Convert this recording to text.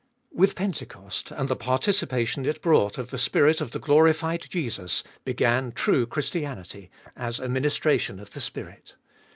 With Pentecost, and the participation it brought of the Spirit of the glorified Jesus, began true Christianity, as a ministration of the Spirit.